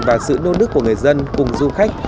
và sự nôn nức của người dân cùng du khách